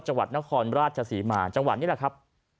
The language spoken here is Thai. จังหวัดนครราชศรีมาจังหวัดนี้แหละครับ